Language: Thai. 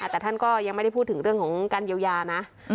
แต่ท่านก็ยังไม่ได้พูดถึงเรื่องของการเยียวยานะ